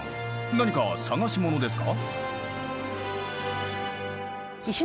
何か探し物ですか？